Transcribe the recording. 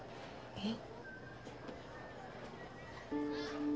えっ。